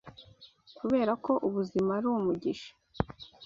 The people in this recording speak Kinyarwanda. Kuberako ubuzima ari umugisha